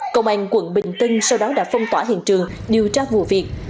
công an quận bình tân sau đó đã phong tỏa hiện trường điều tra vụ việc